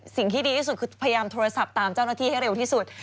สิ่งที่ดีที่สุดคือพยายามโทรศัพท์ตามเจ้าหน้าที่ให้เร็วที่สุด